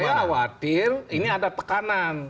karena saya khawatir ini ada tekanan